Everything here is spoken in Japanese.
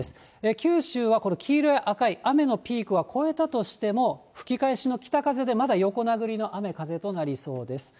九州はこれ、黄色や赤い雨のピークは越えたとしても、吹き返しの北風でまだ横殴りの雨風となりそうです。